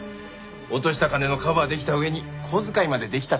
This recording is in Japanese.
落とした金のカバーできた上に小遣いまでできたってわけだ。